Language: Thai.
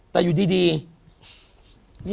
แต่อยู่ดี